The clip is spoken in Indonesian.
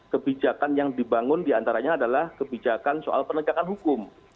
kebijakan yang dibangun diantaranya adalah kebijakan soal penegakan hukum